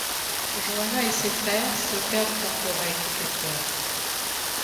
Joanna et ses frères se perdent en forêt qui fait peur.